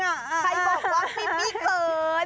ใครบอกว่าพี่บี้เขิน